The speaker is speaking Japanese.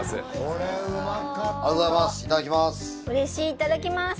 いただきます。